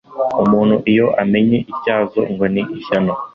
Umuntu iyo amennye ityazo, ngo ni ishyano